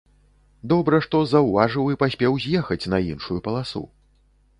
Добра, што заўважыў і паспеў з'ехаць на іншую паласу.